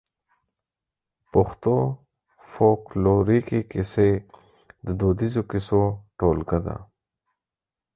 پښتو فولکلوريکي کيسې د دوديزو کيسو ټولګه ده.